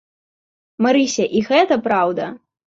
Марыся, і гэта праўда?